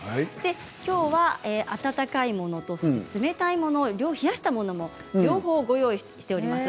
きょうは温かいものとそして冷たいもの冷やしたものも両方ご用意しております。。